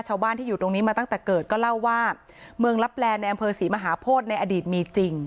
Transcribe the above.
ชาวบ้านที่อยู่ตรงนี้มาตั้งแต่เกิดก็เล่าว่าเมืองลับแลในอำเภอศรีมหาโพธิในอดีตมีจริง